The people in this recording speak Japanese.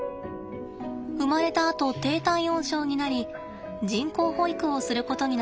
生まれたあと低体温症になり人工哺育をすることになりました。